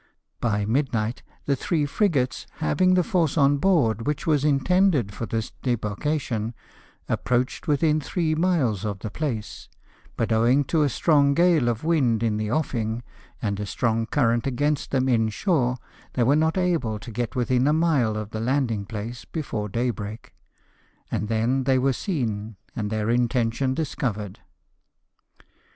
By mid night the three frigates, having the force on board which was intended for this debarkation, approached within three miles of the place ; but owing to a strong gale of wind in the offing, and a strong current against them inshore, they were not able to get within a mile of the landing place before daybreak; and then they were seen and their intention discovered.